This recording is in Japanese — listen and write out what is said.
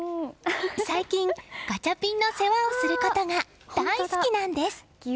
最近、ガチャピンの世話をすることが大好きなんです。